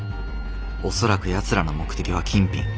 恐らくやつらの目的は金品。